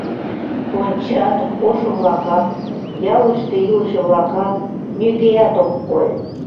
Ончат — ошо-влакат, ялыште илыше-влакат, нигӧат ок кой...